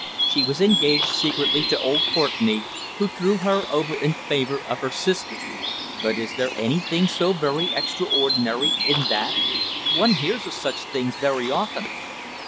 She was engaged secretly to old Courtenay, who threw her over in favour of her sister. But is there anything so very extraordinary in that? One hears of such things very often."